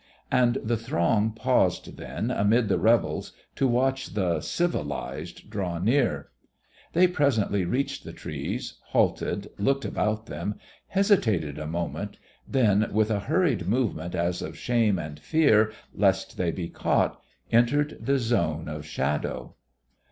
And the throng paused then amid the revels to watch the "civilised" draw near. They presently reached the trees, halted, looked about them, hesitated a moment then, with a hurried movement as of shame and fear lest they be caught, entered the zone of shadow.